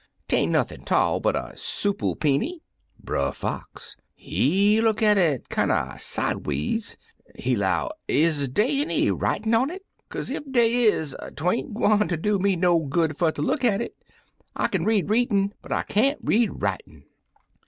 Tain't nothin' 'tall but a soople peeny.' Brer Fox, he look at it kinder sideways. He 'low, *Is dey any writin' on it ? Kaze ef dey is 'tain't gwine ter do me no good fer ter look at it; I kin read readin', but I can't read writin'.'